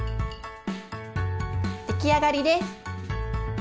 出来上がりです。